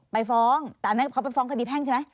ไปฟ้องแต่อันนั้นเขาไปฟ้องคดีแพ่งใช่ไหม